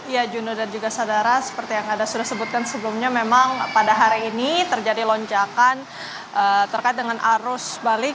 ya juno dan juga saudara seperti yang anda sudah sebutkan sebelumnya memang pada hari ini terjadi lonjakan terkait dengan arus balik